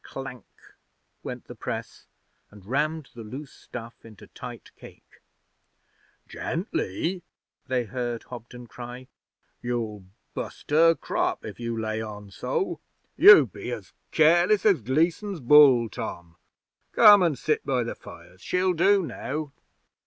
'Clank!' went the press, and rammed the loose stuff into tight cake. 'Gently!' they heard Hobden cry. 'You'll bust her crop if you lay on so. You be as careless as Gleason's bull, Tom. Come an' sit by the fires. She'll do now.'